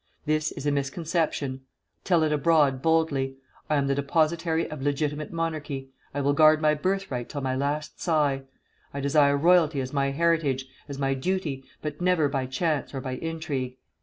This is a misconception. Tell it abroad boldly. I am the depositary of Legitimate Monarchy. I will guard my birthright till my last sigh. I desire royalty as my heritage, as my duty, but never by chance or by intrigue.